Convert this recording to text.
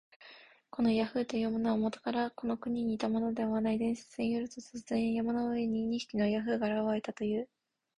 このヤーフというものは、もとからこの国にいたものではない。伝説によると、あるとき、突然、山の上に二匹のヤーフが現れたという。